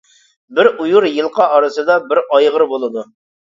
بىر ئۇيۇر يىلقا ئارىسىدا بىر ئايغىر بولىدۇ.